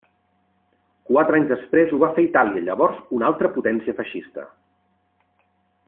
Quatre anys després ho va fer Itàlia llavors una altra potència feixista.